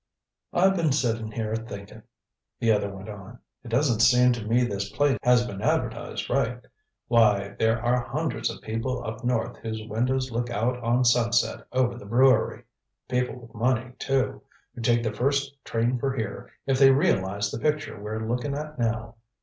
"I've been sitting here thinking," the other went on. "It doesn't seem to me this place has been advertised right. Why, there are hundreds of people up north whose windows look out on sunset over the brewery people with money, too who'd take the first train for here if they realized the picture we're looking at now.